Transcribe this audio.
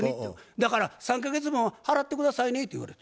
「だから３か月分は払って下さいね」って言われて。